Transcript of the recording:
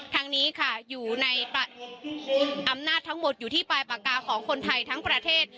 ทางนี้ค่ะอยู่ในอำนาจทั้งหมดอยู่ที่ปลายปากกาของคนไทยทั้งประเทศ